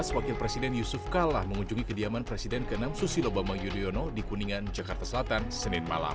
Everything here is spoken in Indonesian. wakil presiden yusuf kala mengunjungi kediaman presiden ke enam susilo bambang yudhoyono di kuningan jakarta selatan senin malam